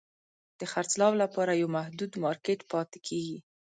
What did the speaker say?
د خرڅلاو لپاره یو محدود مارکېټ پاتې کیږي.